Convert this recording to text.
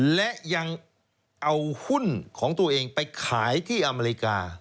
และยังเอาหุ้นของตัวเองไปขายที่อเมริกา